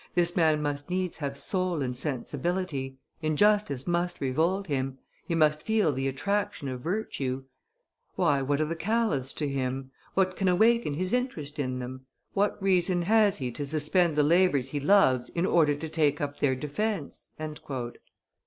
This man must needs have soul and sensibility; injustice must revolt him; he must feel the attraction of virtue. Why, what are the Calas to him? What can awaken his interest in them? What reason has he to suspend the labors he loves in order to take up their defence?"